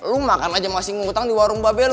lu makan aja masing masing ngutang di warung babel lu